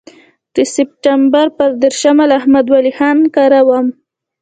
د سپټمبر پر دېرشمه له احمد ولي خان کره وم.